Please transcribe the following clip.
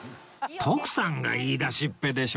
徳さんが言い出しっぺでしょ！